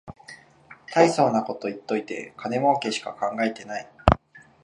たいそうなこと言っといて金もうけしか考えてない